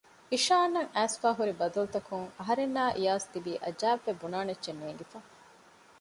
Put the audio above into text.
އިޝާން އަށް އައިސްފައިހުރި ބަދަލުތަކުން އަހަރެންނާއި އިޔާޒް ތިބީ އަޖައިބުވެ ބުނާނެ އެއްޗެއް ނޭންގިފަ